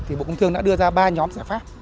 thì bộ công thương đã đưa ra ba nhóm giải pháp